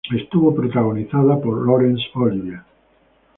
Estuvo protagonizada por Laurence Olivier.